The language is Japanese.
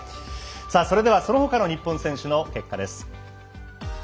それではそのほかの日本選手の結果です。